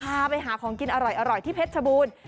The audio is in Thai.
พาไปหาของกินอร่อยที่เพชรชบูรณ์